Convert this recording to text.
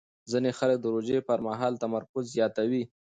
ځینې خلک د روژې پر مهال تمرکز زیاتوي.